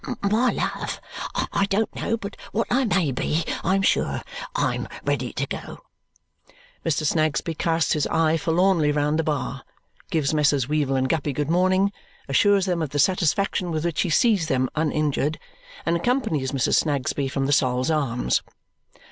"My love, I don't know but what I may be, I am sure. I am ready to go." Mr. Snagsby casts his eye forlornly round the bar, gives Messrs. Weevle and Guppy good morning, assures them of the satisfaction with which he sees them uninjured, and accompanies Mrs. Snagsby from the Sol's Arms.